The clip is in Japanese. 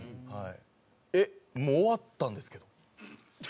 えっもう終わったんですけど。